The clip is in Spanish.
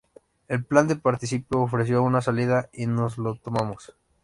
El plan de partición ofreció una salida y nos lo tomamos.